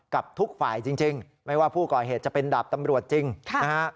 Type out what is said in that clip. กับทุกฝ่ายจริงไม่ว่าผู้ก่อเหตุจะเป็นดาบตำรวจจริงนะฮะ